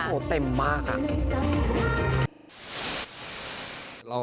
โอ้เต็มมากอะ